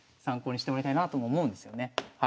参考にしてもらいたいなとも思うんですよね。